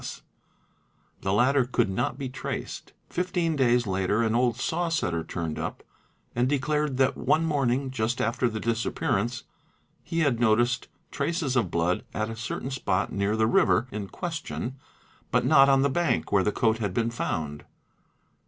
S. The latter could not be traced. Fifteen days later an old saw setter turned up and declared that one morning (just after the disappearance) he had noticed traces of blood at a certain spot near the — we PPO DR eae READ S | 'river in question but not on the bank where the coat had been found.